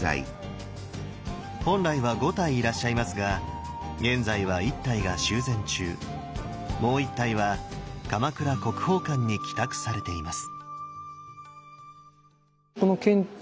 本来は５体いらっしゃいますが現在は１体が修繕中もう１体は鎌倉国宝館に寄託されています。